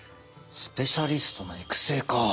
スペシャリストの育成か。